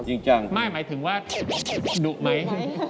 ไม่หมายถึงว่าดุไหม